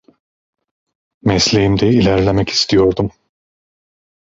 Mesleğimde ilerlemek istiyordum.